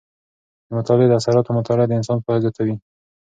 د مطالعې د اثراتو مطالعه د انسان پوهه زیاته وي.